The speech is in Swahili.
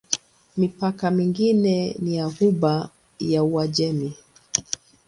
Mipaka mingine ni ya Ghuba ya Uajemi.